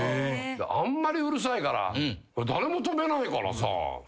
あんまりうるさいから誰も止めないからさ。